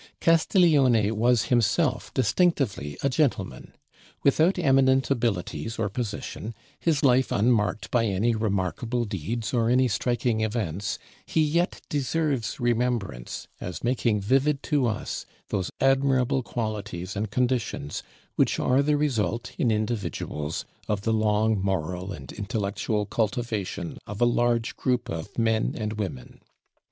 Castiglione was himself distinctively a gentleman. Without eminent abilities or position, his life unmarked by any remarkable deeds or any striking events, he yet deserves remembrance as making vivid to us those admirable qualities and conditions which are the result, in individuals, of the long moral and intellectual cultivation of a large group of men and women.